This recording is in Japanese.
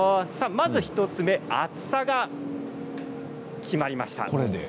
まず１つ目、厚さが決まりました。